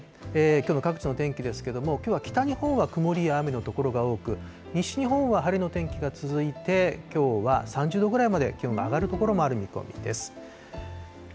きょうの各地の天気ですけれども、きょうは北日本は曇りや雨の所が多く、西日本は晴れの天気が続いて、きょうは３０度ぐらいまで気温が上がる所もある見込みです。